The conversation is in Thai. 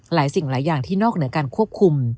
สิ่งหลายอย่างที่นอกเหนือการควบคุม